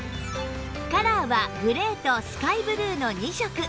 カラーはグレーとスカイブルーの２色